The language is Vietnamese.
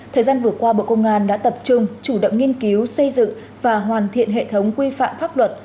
thời gian vừa qua bộ công an đã tập trung chủ động nghiên cứu xây dựng và hoàn thiện hệ thống quy phạm pháp luật